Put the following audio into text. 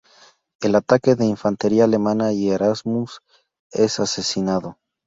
El ataque de infantería alemana y Erasmus es asesinado.